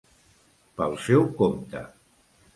Pel seu compte.